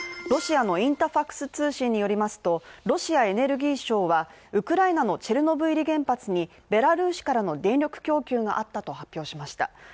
ロシアのインタファクス通信によりますとロシアエネルギー省はウクライナのチェルノブイリ原発にベラルーシからの電力供給があったと発表しました。